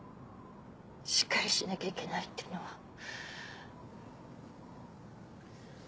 しっかりしなきゃいけないっていうのは。